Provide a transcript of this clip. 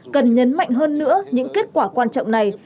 cần nhấn mạnh hơn nữa những kết quả quan trọng này